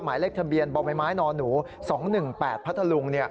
หมายเลขทะเบียนบ่อใบไม้นหนู๒๑๘พัทธลุง